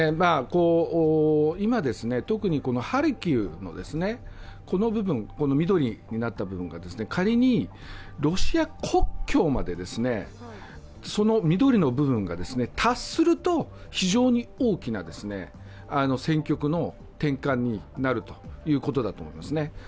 今、特にハルキウの緑になった部分が仮にロシア国境まで達すると非常に大きな戦局の転換になるということだと思いますね。